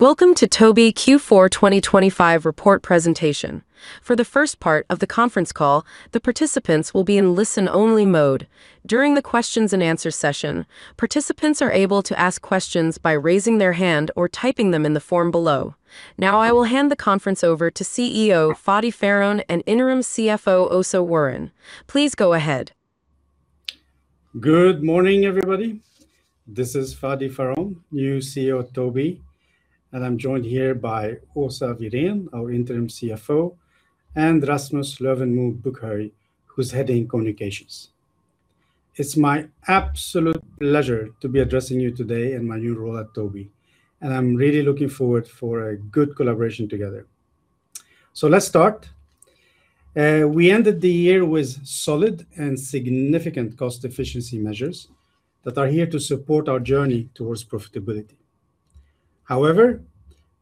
Welcome to Tobii Q4 2025 report presentation. For the first part of the conference call, the participants will be in listen-only mode. During the questions and answer session, participants are able to ask questions by raising their hand or typing them in the form below. Now, I will hand the conference over to CEO Fadi Pharaon and Interim CFO Åsa Wirén. Please go ahead. Good morning, everybody. This is Fadi Pharaon, new CEO of Tobii, and I'm joined here by Åsa Wirén, our interim CFO, and Rasmus Löwenmo Buckhöj, who's heading communications. It's my absolute pleasure to be addressing you today in my new role at Tobii, and I'm really looking forward for a good collaboration together. So let's start. We ended the year with solid and significant cost efficiency measures that are here to support our journey towards profitability. However,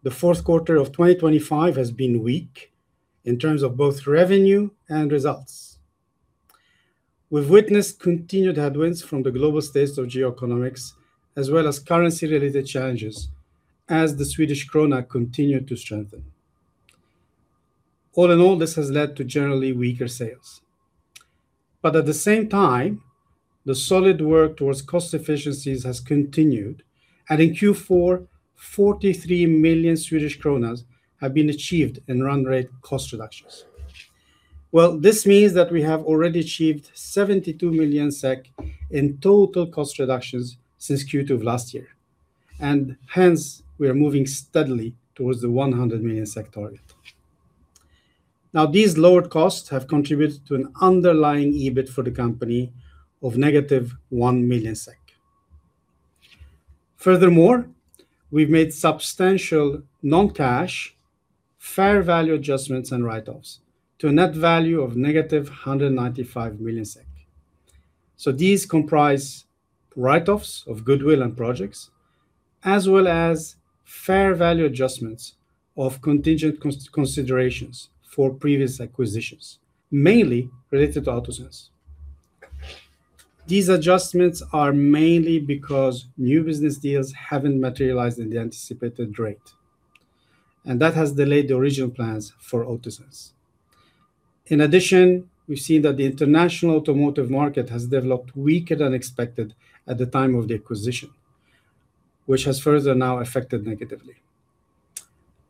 the fourth quarter of 2025 has been weak in terms of both revenue and results. We've witnessed continued headwinds from the global state of geoeconomics, as well as currency-related challenges, as the Swedish krona continued to strengthen. All in all, this has led to generally weaker sales. But at the same time, the solid work towards cost efficiencies has continued, and in Q4, 43 million Swedish kronor have been achieved in run rate cost reductions. Well, this means that we have already achieved 72 million SEK in total cost reductions since Q2 of last year, and hence, we are moving steadily towards the 100 million SEK target. Now, these lowered costs have contributed to an underlying EBIT for the company of -1 million SEK. Furthermore, we've made substantial non-cash, fair value adjustments and write-offs to a net value of -195 million SEK. So these comprise write-offs of goodwill and projects, as well as fair value adjustments of contingent considerations for previous acquisitions, mainly related to AutoSense. These adjustments are mainly because new business deals haven't materialized in the anticipated rate, and that has delayed the original plans for AutoSense. In addition, we've seen that the international automotive market has developed weaker than expected at the time of the acquisition, which has further now affected negatively.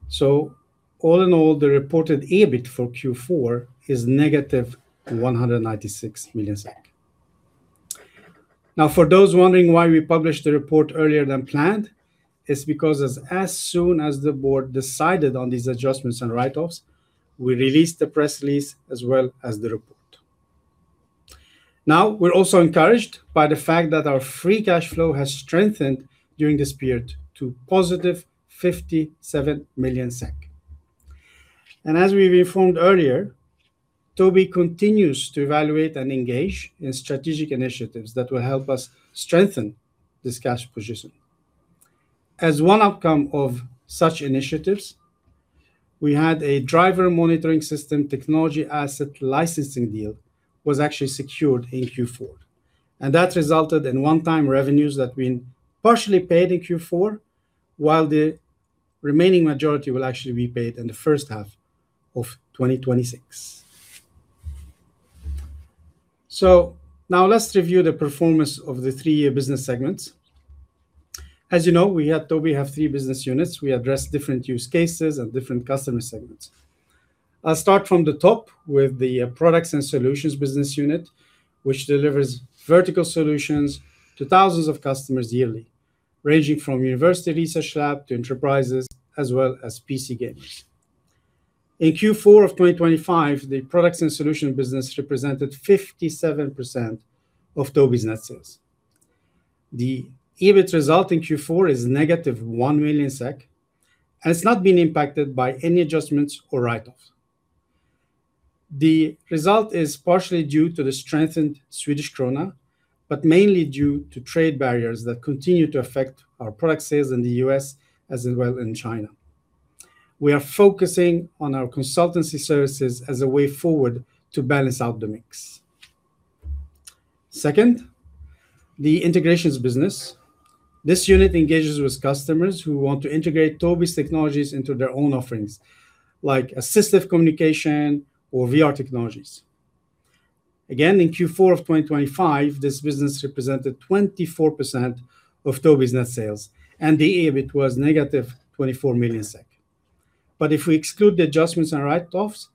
So all in all, the reported EBIT for Q4 is -196 million. Now, for those wondering why we published the report earlier than planned, it's because as soon as the board decided on these adjustments and write-offs, we released the press release as well as the report. Now, we're also encouraged by the fact that our free cash flow has strengthened during this period to +57 million SEK. And as we informed earlier, Tobii continues to evaluate and engage in strategic initiatives that will help us strengthen this cash position. As one outcome of such initiatives, we had a driver monitoring system technology asset licensing deal was actually secured in Q4, and that resulted in one-time revenues that have been partially paid in Q4, while the remaining majority will actually be paid in the first half of 2026. So now let's review the performance of the three-year business segments. As you know, we at Tobii have three business units. We address different use cases and different customer segments. I'll start from the top with the Products and Solutions business unit, which delivers vertical solutions to thousands of customers yearly, ranging from university research lab to enterprises, as well as PC gamers. In Q4 of 2025, the products and solution business represented 57% of Tobii's net sales. The EBIT result in Q4 is -1 million SEK, and it's not been impacted by any adjustments or write-offs. The result is partially due to the strengthened Swedish krona, but mainly due to trade barriers that continue to affect our product sales in the U.S. as well as in China. We are focusing on our consultancy services as a way forward to balance out the mix. Second, the Integrations business. This unit engages with customers who want to integrate Tobii's technologies into their own offerings, like assistive communication or VR technologies. Again, in Q4 of 2025, this business represented 24% of Tobii's net sales, and the EBIT was -24 million SEK. But if we exclude the adjustments and write-offs,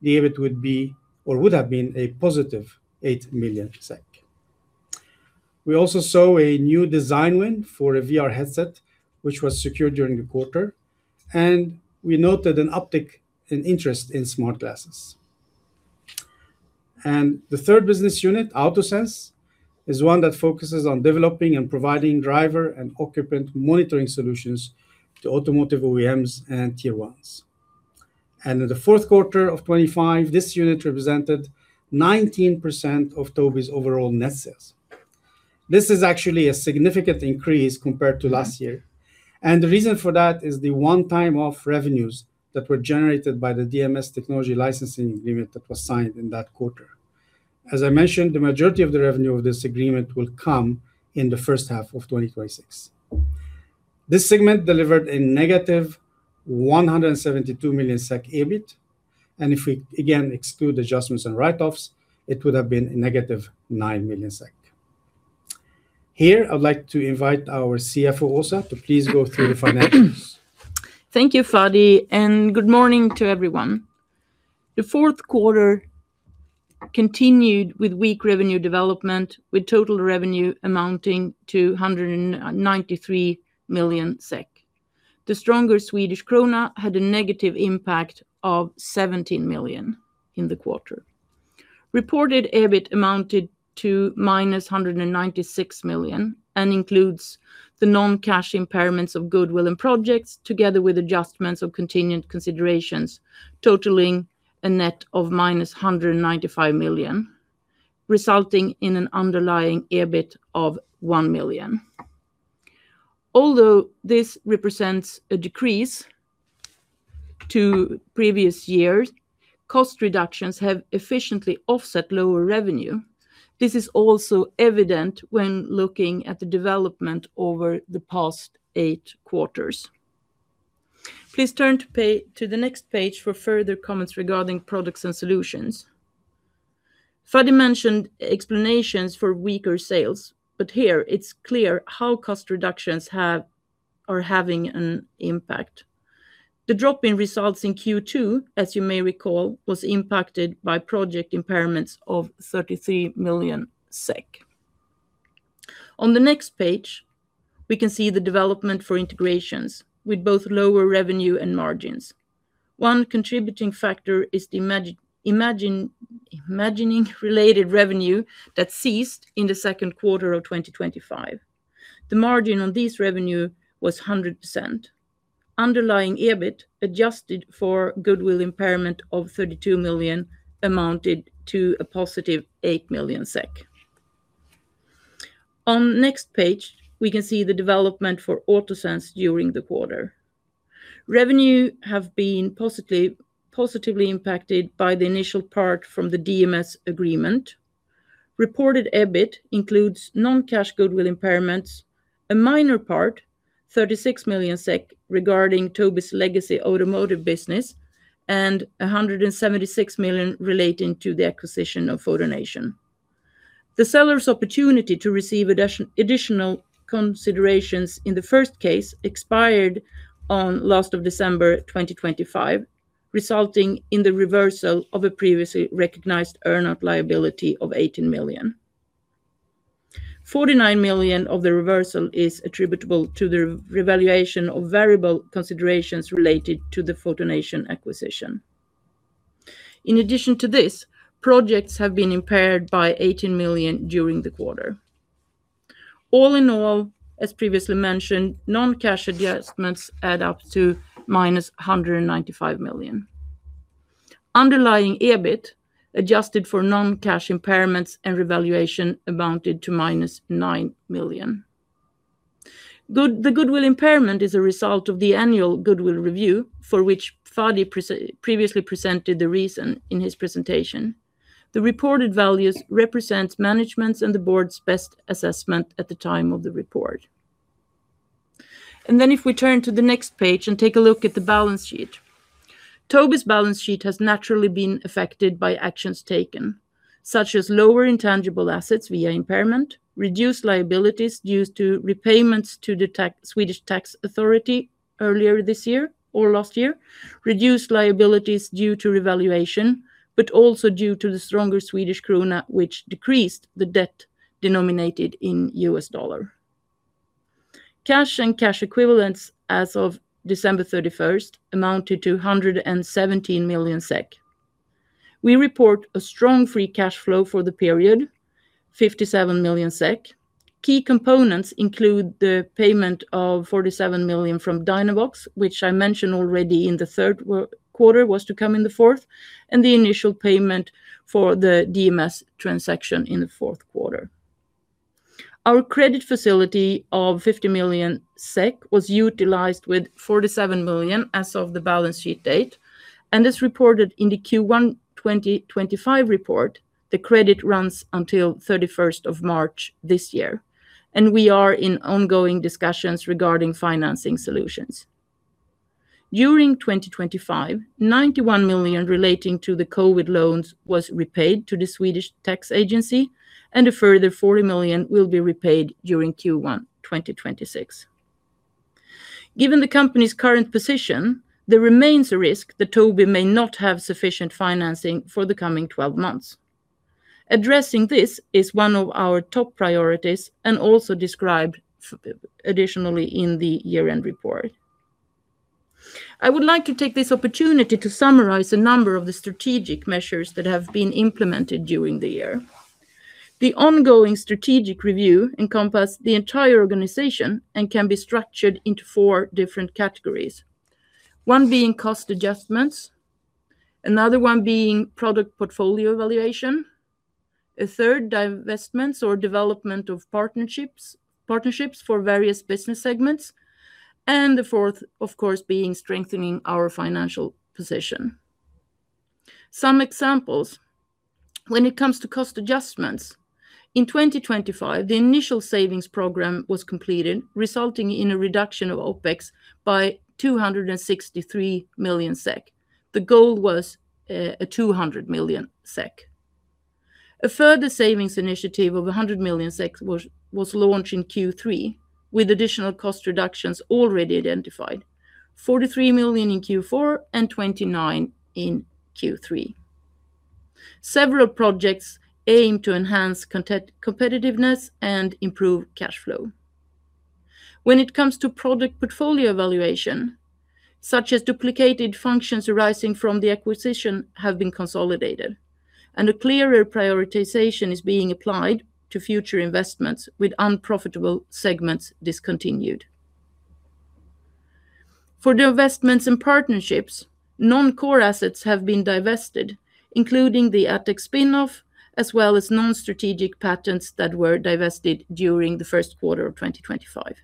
the EBIT would be or would have been +8 million SEK. We also saw a new design win for a VR headset, which was secured during the quarter, and we noted an uptick in interest in smart glasses. The third business unit, AutoSense, is one that focuses on developing and providing driver and occupant monitoring solutions to automotive OEMs and Tier 1s. In the fourth quarter of 2025, this unit represented 19% of Tobii's overall net sales. This is actually a significant increase compared to last year, and the reason for that is the one-time off revenues that were generated by the DMS technology licensing agreement that was signed in that quarter. As I mentioned, the majority of the revenue of this agreement will come in the first half of 2026. This segment delivered a negative 172 million SEK EBIT, and if we again exclude adjustments and write-offs, it would have been a negative 9 million SEK. Here, I'd like to invite our CFO, Åsa, to please go through the financials. Thank you, Fadi, and good morning to everyone. The fourth quarter continued with weak revenue development, with total revenue amounting to 193 million SEK. The stronger Swedish krona had a negative impact of 17 million in the quarter. Reported EBIT amounted to -196 million, and includes the non-cash impairments of goodwill and projects, together with adjustments of continued considerations, totaling a net of -195 million, resulting in an underlying EBIT of 1 million. Although this represents a decrease to previous years, cost reductions have efficiently offset lower revenue. This is also evident when looking at the development over the past eight quarters. Please turn to the next page for further comments regarding Products and Solutions. Fadi mentioned explanations for weaker sales, but here it's clear how cost reductions have or are having an impact. The drop in results in Q2, as you may recall, was impacted by project impairments of 33 million SEK. On the next page, we can see the development for Integrations, with both lower revenue and margins. One contributing factor is the imaging-related revenue that ceased in the second quarter of 2025. The margin on this revenue was 100%. Underlying EBIT, adjusted for goodwill impairment of 32 million, amounted to a positive 8 million SEK. On the next page, we can see the development for AutoSense during the quarter. Revenue have been positively impacted by the initial part from the DMS agreement. Reported EBIT includes non-cash goodwill impairments, a minor part, 36 million SEK, regarding Tobii's legacy automotive business, and 176 million relating to the acquisition of FotoNation. The seller's opportunity to receive additional considerations in the first case expired on end of December 2025, resulting in the reversal of a previously recognized earnout liability of 18 million. 49 million of the reversal is attributable to the revaluation of variable considerations related to the FotoNation acquisition. In addition to this, projects have been impaired by 18 million during the quarter. All in all, as previously mentioned, non-cash adjustments add up to -195 million. Underlying EBIT, adjusted for non-cash impairments and revaluation, amounted to -9 million. The goodwill impairment is a result of the annual goodwill review, for which Fadi previously presented the reason in his presentation. The reported values represents management's and the board's best assessment at the time of the report. And then, if we turn to the next page and take a look at the balance sheet. Tobii's balance sheet has naturally been affected by actions taken, such as lower intangible assets via impairment, reduced liabilities due to repayments to the Swedish Tax Agency earlier this year or last year, reduced liabilities due to revaluation, but also due to the stronger Swedish krona, which decreased the debt denominated in U.S. dollar. Cash and cash equivalents as of December 31 amounted to 117 million SEK. We report a strong free cash flow for the period, 57 million SEK. Key components include the payment of 47 million from Dynavox, which I mentioned already in the third quarter, was to come in the fourth, and the initial payment for the DMS transaction in the fourth quarter. Our credit facility of 50 million SEK was utilized with 47 million as of the balance sheet date, and as reported in the Q1 2025 report, the credit runs until 31st of March this year, and we are in ongoing discussions regarding financing solutions. During 2025, 91 million relating to the COVID loans was repaid to the Swedish Tax Agency, and a further 40 million will be repaid during Q1, 2026. Given the company's current position, there remains a risk that Tobii may not have sufficient financing for the coming 12 months. Addressing this is one of our top priorities and also described additionally in the year-end report. I would like to take this opportunity to summarize a number of the strategic measures that have been implemented during the year. The ongoing strategic review encompass the entire organization and can be structured into 4 different categories. One being cost adjustments, another one being product portfolio evaluation, a third, divestments or development of partnerships, partnerships for various business segments, and the fourth, of course, being strengthening our financial position. Some examples. When it comes to cost adjustments, in 2025, the initial savings program was completed, resulting in a reduction of OpEx by 263 million SEK. The goal was a 200 million SEK. A further savings initiative of 100 million SEK was launched in Q3, with additional cost reductions already identified: 43 million in Q4 and 29 million in Q3. Several projects aim to enhance competitiveness and improve cash flow. When it comes to product portfolio evaluation, such as duplicated functions arising from the acquisition, have been consolidated, and a clearer prioritization is being applied to future investments, with unprofitable segments discontinued. For the investments and partnerships, non-core assets have been divested, including the Attix spin-off, as well as non-strategic patents that were divested during the first quarter of 2025.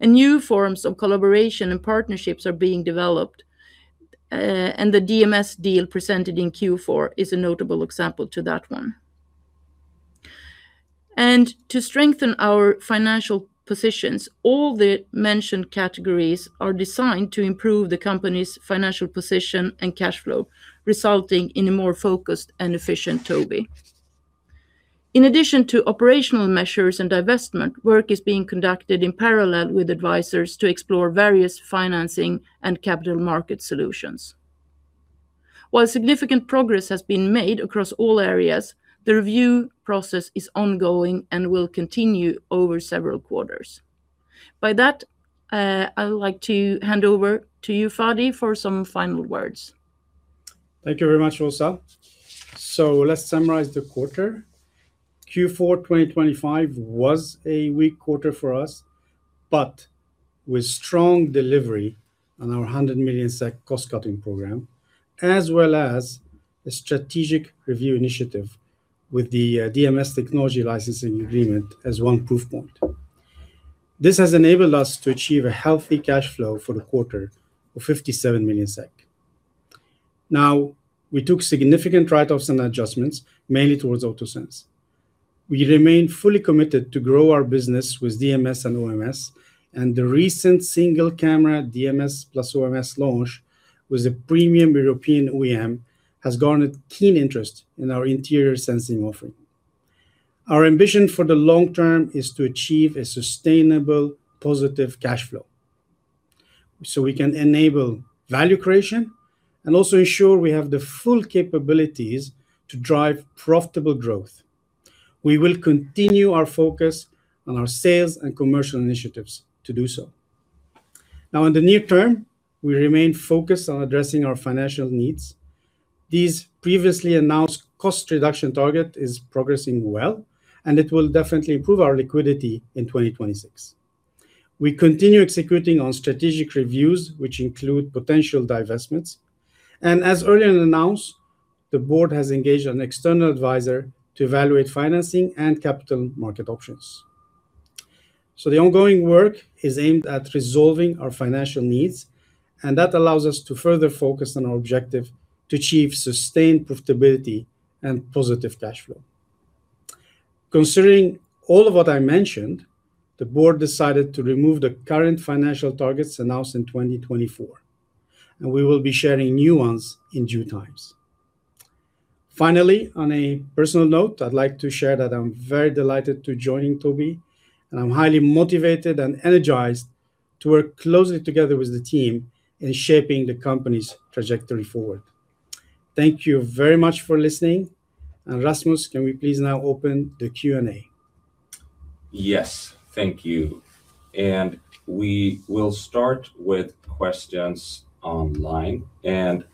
New forms of collaboration and partnerships are being developed, and the DMS deal presented in Q4 is a notable example to that one. And to strengthen our financial positions, all the mentioned categories are designed to improve the company's financial position and cash flow, resulting in a more focused and efficient Tobii. In addition to operational measures and divestment, work is being conducted in parallel with advisors to explore various financing and capital market solutions. While significant progress has been made across all areas, the review process is ongoing and will continue over several quarters. By that, I would like to hand over to you, Fadi, for some final words. Thank you very much, Åsa. So let's summarize the quarter. Q4 2025 was a weak quarter for us, but with strong delivery on our 100 million SEK cost-cutting program, as well as a strategic review initiative with the DMS technology licensing agreement as one proof point. This has enabled us to achieve a healthy cash flow for the quarter of 57 million SEK. Now, we took significant write-offs and adjustments, mainly towards AutoSense. We remain fully committed to grow our business with DMS and OMS, and the recent single-camera DMS plus OMS launch with a premium European OEM has garnered keen interest in our interior sensing offering. Our ambition for the long term is to achieve a sustainable, positive cash flow, so we can enable value creation and also ensure we have the full capabilities to drive profitable growth. We will continue our focus on our sales and commercial initiatives to do so. Now, in the near term, we remain focused on addressing our financial needs. These previously announced cost reduction target is progressing well, and it will definitely improve our liquidity in 2026. We continue executing on strategic reviews, which include potential divestments, and as earlier announced, the board has engaged an external advisor to evaluate financing and capital market options. The ongoing work is aimed at resolving our financial needs, and that allows us to further focus on our objective to achieve sustained profitability and positive cash flow. Considering all of what I mentioned, the board decided to remove the current financial targets announced in 2024, and we will be sharing new ones in due times. Finally, on a personal note, I'd like to share that I'm very delighted to be joining Tobii, and I'm highly motivated and energized to work closely together with the team in shaping the company's trajectory forward. Thank you very much for listening, and Rasmus, can we please now open the Q&A? Yes, thank you. We will start with questions online, and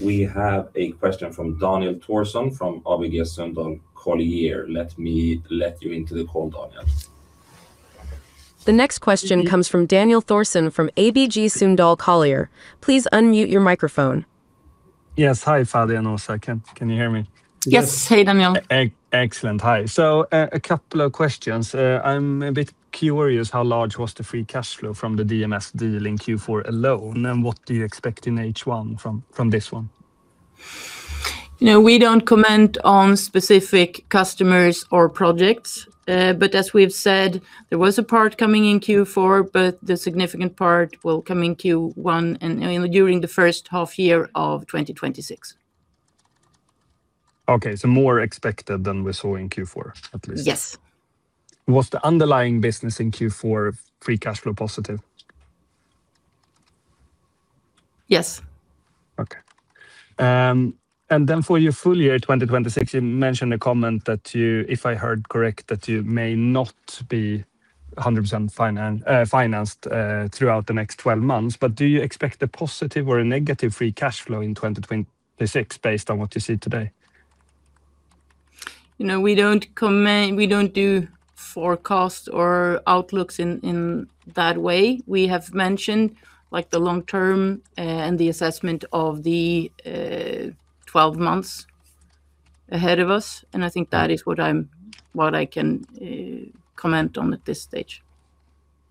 we have a question from Daniel Thorsson, from ABG Sundal Collier. Let me let you into the call, Daniel. The next question comes from Daniel Thorsson, from ABG Sundal Collier. Please unmute your microphone. Yes. Hi, Fadi and Åsa. Can you hear me? Yes. Hey, Daniel. Excellent. Hi. So, a couple of questions. I'm a bit curious, how large was the free cash flow from the DMS deal in Q4 alone, and what do you expect in H1 from this one? You know, we don't comment on specific customers or projects. But as we've said, there was a part coming in Q4, but the significant part will come in Q1, and, I mean, during the first half year of 2026. Okay, so more expected than we saw in Q4, at least? Yes. Was the underlying business in Q4 free cash flow positive? Yes. Okay. And then for your full year 2026, you mentioned a comment that you, if I heard correct, that you may not be 100% financed throughout the next 12 months, but do you expect a positive or a negative free cash flow in 2026, based on what you see today? You know, we don't comment. We don't do forecasts or outlooks in that way. We have mentioned, like, the long term, and the assessment of the 12 months ahead of us, and I think that is what I can comment on at this stage.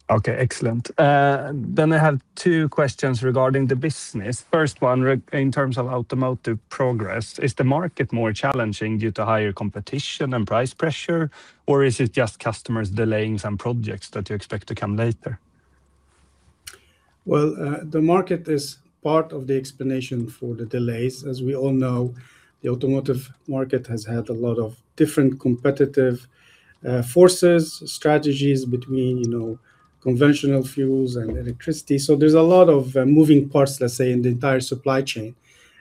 Okay, excellent. Then I have two questions regarding the business. First one, in terms of automotive progress, is the market more challenging due to higher competition and price pressure, or is it just customers delaying some projects that you expect to come later? Well, the market is part of the explanation for the delays. As we all know, the automotive market has had a lot of different competitive forces, strategies between, you know, conventional fuels and electricity. So there's a lot of moving parts, let's say, in the entire supply chain,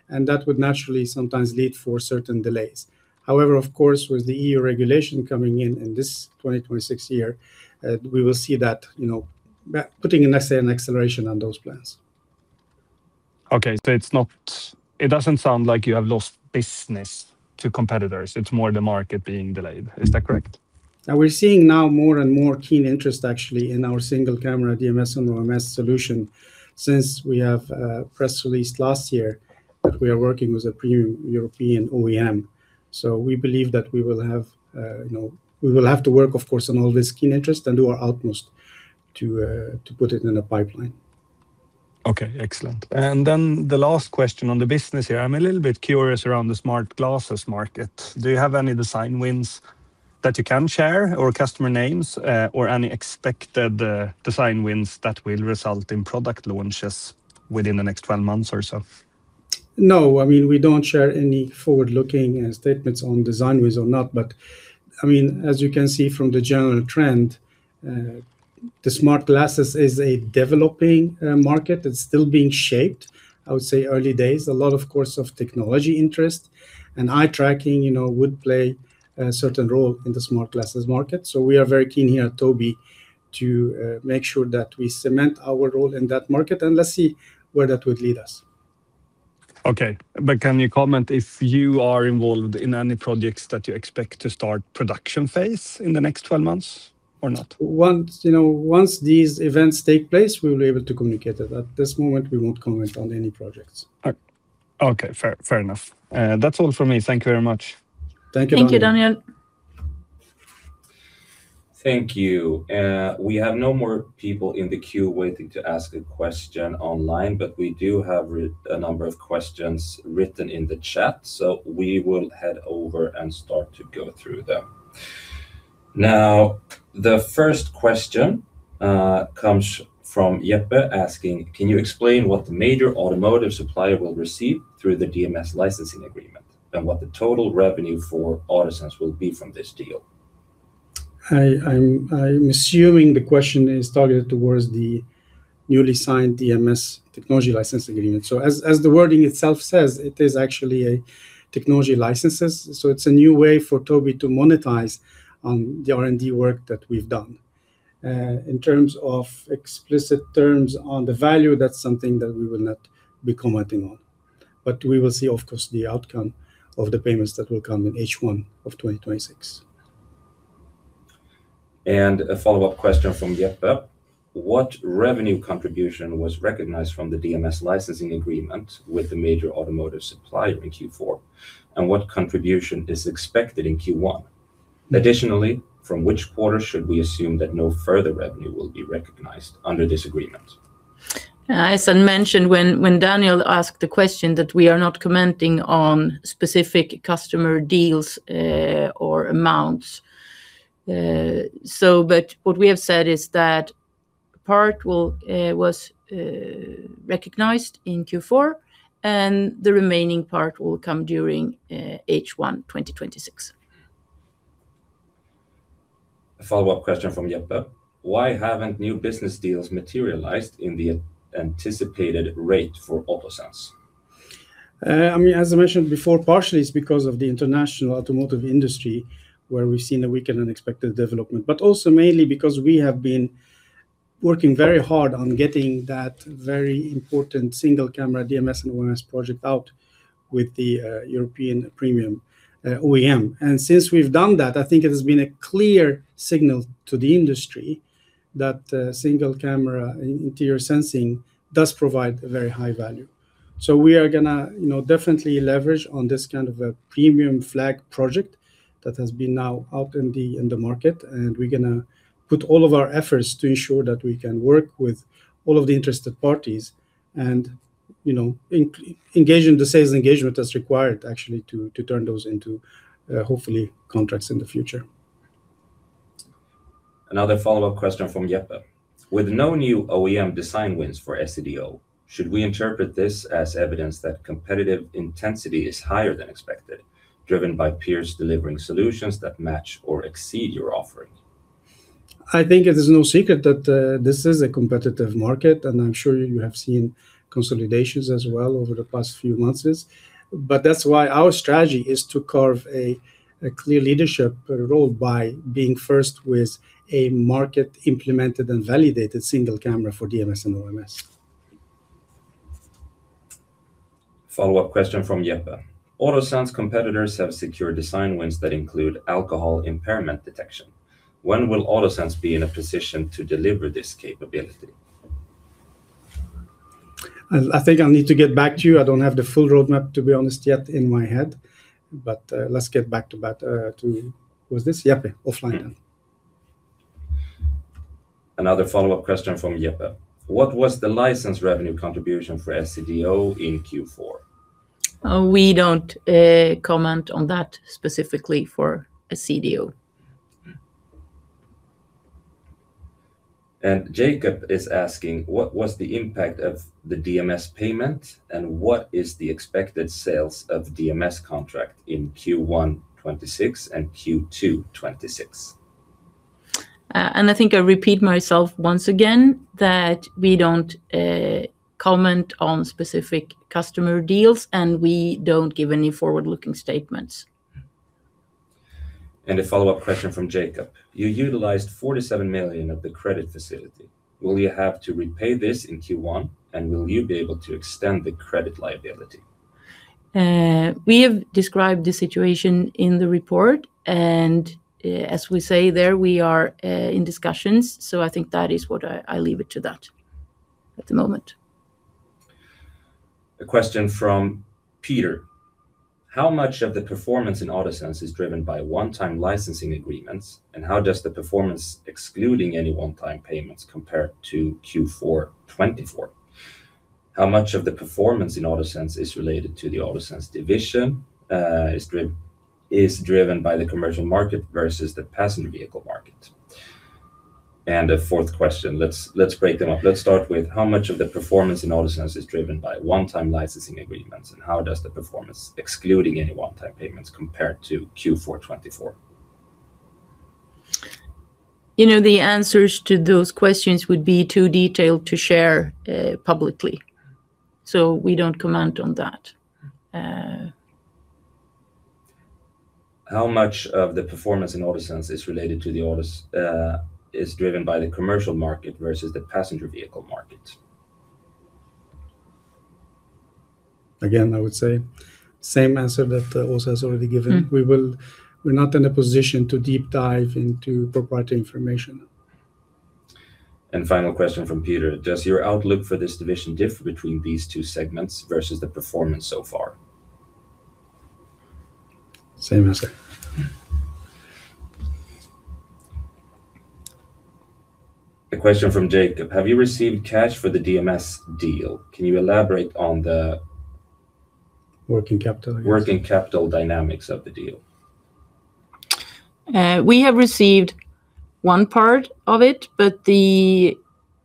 and that would naturally sometimes lead for certain delays. However, of course, with the EU regulation coming in in this 2026 year, we will see that, you know, putting, let's say, an acceleration on those plans. Okay, so it doesn't sound like you have lost business to competitors, it's more the market being delayed. Is that correct? And we're seeing now more and more keen interest, actually, in our single-camera DMS and OMS solution since we have press released last year that we are working with a premium European OEM. So we believe that we will have, you know... We will have to work, of course, on all this keen interest and do our utmost to put it in a pipeline. Okay, excellent. And then the last question on the business here, I'm a little bit curious around the smart glasses market. Do you have any design wins that you can share, or customer names, or any expected design wins that will result in product launches within the next 12 months or so? No. I mean, we don't share any forward-looking, statements on design wins or not. But, I mean, as you can see from the general trend, the smart glasses is a developing, market that's still being shaped. I would say early days. A lot, of course, of technology interest, and eye tracking, you know, would play a certain role in the smart glasses market. So we are very keen here at Tobii to, make sure that we cement our role in that market, and let's see where that would lead us. Okay, but can you comment if you are involved in any projects that you expect to start production phase in the next 12 months or not? Once, you know, once these events take place, we will be able to communicate it. At this moment, we won't comment on any projects. All right. Okay, fair, fair enough. That's all for me. Thank you very much. Thank you, Daniel. Thank you, Daniel. Thank you. We have no more people in the queue waiting to ask a question online, but we do have a number of questions written in the chat, so we will head over and start to go through them. Now, the first question comes from Jeppe, asking: "Can you explain what the major automotive supplier will receive through the DMS licensing agreement, and what the total revenue for AutoSense will be from this deal? I'm assuming the question is targeted towards the newly signed DMS technology licensing agreement. So as the wording itself says, it is actually a technology licenses, so it's a new way for Tobii to monetize on the R&D work that we've done. In terms of explicit terms on the value, that's something that we will not be commenting on. But we will see, of course, the outcome of the payments that will come in H1 of 2026. A follow-up question from Jeppe: "What revenue contribution was recognized from the DMS licensing agreement with the major automotive supplier in Q4, and what contribution is expected in Q1? Additionally, from which quarter should we assume that no further revenue will be recognized under this agreement? As I mentioned, when Daniel asked the question, that we are not commenting on specific customer deals or amounts. So but what we have said is that part was recognized in Q4, and the remaining part will come during H1 2026. A follow-up question from Jeppe Baarup: "Why haven't new business deals materialized in the anticipated rate for AutoSense? I mean, as I mentioned before, partially it's because of the international automotive industry, where we've seen a weaker than expected development, but also mainly because we have been working very hard on getting that very important single-camera DMS and OMS project out with the European premium OEM. And since we've done that, I think it has been a clear signal to the industry that single-camera interior sensing does provide a very high value. So we are gonna, you know, definitely leverage on this kind of a premium flag project that has been now out in the market, and we're gonna put all of our efforts to ensure that we can work with all of the interested parties and, you know, engage in the sales engagement that's required, actually, to turn those into, hopefully, contracts in the future. Another follow-up question from Jeppe Baarup: "With no new OEM design wins for SCDO, should we interpret this as evidence that competitive intensity is higher than expected, driven by peers delivering solutions that match or exceed your offering? I think it is no secret that, this is a competitive market, and I'm sure you have seen consolidations as well over the past few months. But that's why our strategy is to carve a clear leadership role by being first with a market-implemented and validated single camera for DMS and OMS. Follow-up question from Jeppe Baarup: "AutoSense competitors have secured design wins that include alcohol impairment detection. When will AutoSense be in a position to deliver this capability?... I think I'll need to get back to you. I don't have the full roadmap, to be honest, yet in my head, but, let's get back to that, to... Was this Jeppe? Offline then. Another follow-up question from Jeppe: "What was the license revenue contribution for SCDO in Q4? We don't comment on that specifically for SCDO. Jacob is asking, "What was the impact of the DMS payment, and what is the expected sales of DMS contract in Q1 2026 and Q2 2026? I think I repeat myself once again that we don't comment on specific customer deals, and we don't give any forward-looking statements. And a follow-up question from Jacob: "You utilized 47 million of the credit facility. Will you have to repay this in Q1, and will you be able to extend the credit liability? We have described the situation in the report, and, as we say, there we are in discussions, so I think that is what I leave it to that at the moment. A question from Peter: "How much of the performance in AutoSense is driven by one-time licensing agreements, and how does the performance, excluding any one-time payments, compare to Q4 2024? How much of the performance in AutoSense is related to the AutoSense division, is driven by the commercial market versus the passenger vehicle market?" A fourth question. Let's break them up. Let's start with, "How much of the performance in AutoSense is driven by one-time licensing agreements, and how does the performance, excluding any one-time payments, compare to Q4 2024? You know, the answers to those questions would be too detailed to share publicly, so we don't comment on that. How much of the performance in AutoSense is related to, is driven by the commercial market versus the passenger vehicle market? Again, I would say same answer that Åsa has already given. Mm. We're not in a position to deep dive into proprietary information. Final question from Peter: "Does your outlook for this division differ between these two segments versus the performance so far? Same answer. A question from Jacob: "Have you received cash for the DMS deal? Can you elaborate on the- Working capital, I guess.... working capital dynamics of the deal? We have received one part of it, but the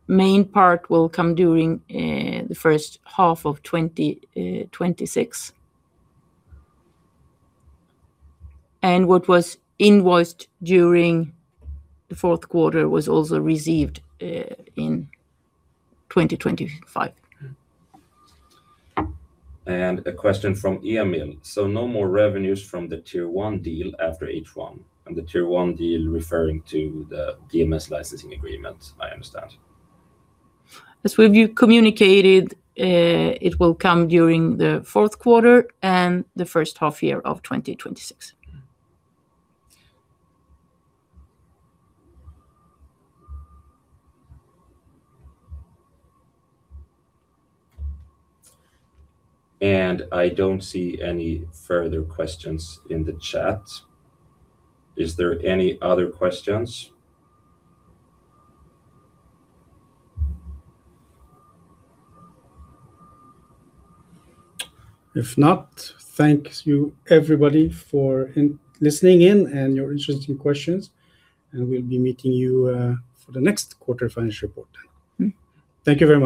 main part will come during the first half of 2026. And what was invoiced during the fourth quarter was also received in 2025. A question from Emil: "So no more revenues from the Tier 1 deal after H1?" And the Tier 1 deal referring to the DMS licensing agreement, I understand. As we've communicated, it will come during the fourth quarter and the first half year of 2026. Mm. I don't see any further questions in the chat. Is there any other questions? If not, thank you everybody for listening in and your interesting questions, and we'll be meeting you for the next quarter financial report. Mm. Thank you very much.